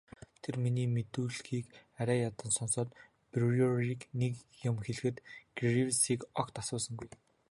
Тэр миний мэдүүлгийг арай ядан сонсоод Бруерыг нэг юм хэлэхэд Гривсыг огт асуусангүй.